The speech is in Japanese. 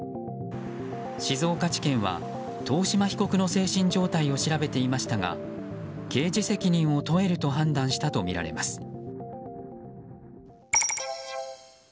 静岡地検は遠嶋被告の精神状態を調べていましたが刑事責任を問えると判断したとみられています。